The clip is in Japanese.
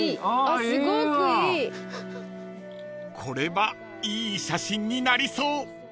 ［これはいい写真になりそう］